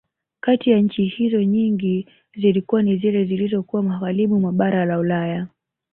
Kati ya nchi hizo nyingi zilikuwa ni zile zizokuwa Magharibi mwa bara la Ulaya